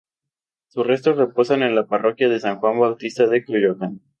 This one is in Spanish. Sus restos reposan en la Parroquia de San Juan Bautista de Coyoacán.